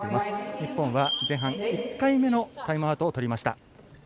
日本は前半１回目のタイムアウトをとりました。